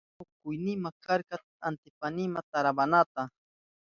Mana unkuynima karka atipaynima tarawanata.